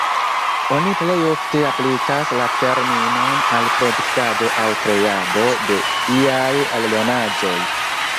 Oni plej ofte aplikas la terminon al produktado aŭ kreado de iaj eldonaĵoj.